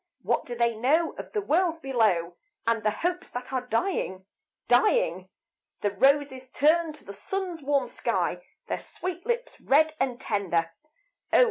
What do they know of the world below, And the hopes that are dying, dying? The roses turn to the sun's warm sky, Their sweet lips red and tender; Oh!